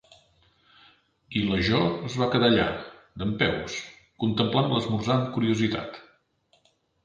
I la Jo es va quedar allà, dempeus, contemplant l'esmorzar amb curiositat.